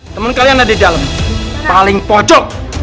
temen kalian ada di dalem paling pojok